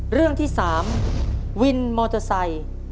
เรื่องที่๓วินมอเตอร์ไซค์